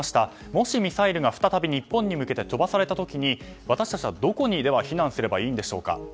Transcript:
もしミサイルが再び日本に向けて飛ばされた時に私たちはどこに避難すればいいんでしょうか。